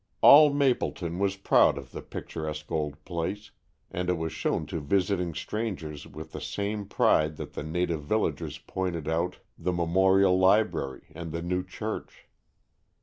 All Mapleton was proud of the picturesque old place, and it was shown to visiting strangers with the same pride that the native villagers pointed out the Memorial Library and the new church.